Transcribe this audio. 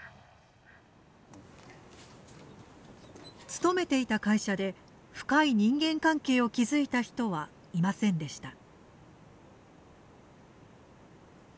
勤めていた会社で深い人間関係を築いた人はいませんでした。